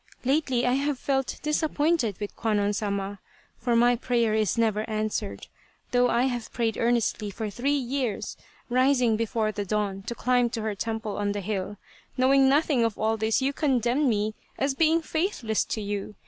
Lately I have felt dis appointed with Kwannon Sama, for my prayer is never answered, though I have prayed earnestly for three years, rising before the dawn to climb to her temple on the hill. Knowing nothing of all this you condemn me as being faithless to you.